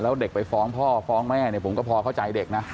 แล้วเด็กไปฟ้องพ่อฟ้องแม่เนี่ยผมก็พอเข้าใจเด็กนะ